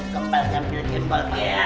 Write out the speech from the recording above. kempalkan kambil jempol ya